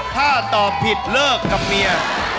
ถ้าตอบผิดเลิกกับเมีย